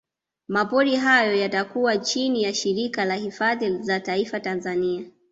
Mapori hayo yatakuwa chini ya Shirika la Hifadhi za Taifa Tanzania